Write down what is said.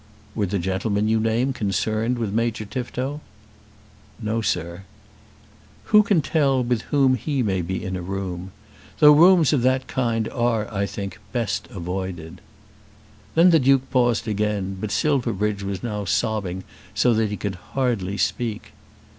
"Were the gentlemen you name concerned with Major Tifto?" "No, sir." "Who can tell with whom he may be in a room? Though rooms of that kind are, I think, best avoided." Then the Duke paused again, but Silverbridge was now sobbing so that he could hardly speak.